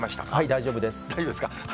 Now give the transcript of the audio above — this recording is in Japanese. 大丈夫ですか。